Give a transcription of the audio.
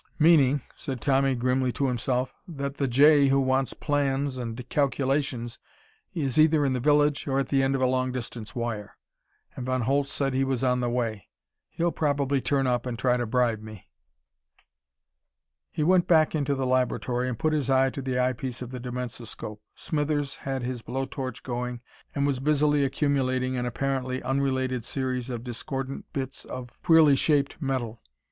"Meaning," said Tommy grimly to himself, "that the J who wants plans and calculations is either in the village or at the end of a long distance wire. And Von Holtz said he was on the way. He'll probably turn up and try to bribe me." He went back into the laboratory and put his eye to the eyepiece of the dimensoscope. Smithers had his blow torch going and was busily accumulating an apparently unrelated series of discordant bits of queerly shaped metal.